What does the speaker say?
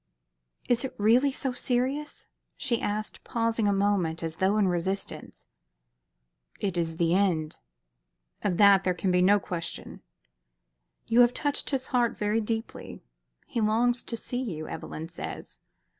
"Is it really so serious?" she asked, pausing a moment, as though in resistance. "It is the end. Of that there can be no question. You have touched his heart very deeply. He longs to see her, Evelyn says.